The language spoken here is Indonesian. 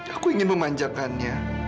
aku ingin memanjakannya